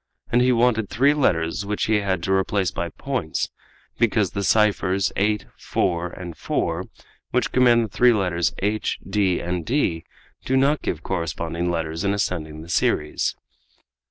And he wanted three letters which he had to replace by points, because the ciphers, 8, 4, and 4, which command the three letters, h, d, and d, do not give corresponding letters in ascending the series.